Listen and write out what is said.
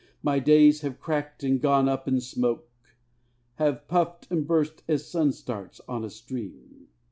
My days have crackled and gone up in smoke, Have puffed and burst as sun starts on a stream.